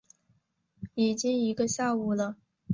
已经一个下午了